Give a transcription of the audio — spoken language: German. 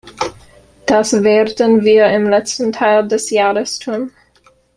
Das werden wir im letzten Teil des Jahres tun.